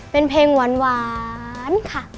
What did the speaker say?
เป็นเพลงหวานค่ะ